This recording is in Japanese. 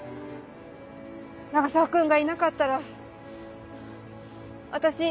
永沢君がいなかったら私